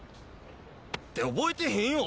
って覚えてへんよ。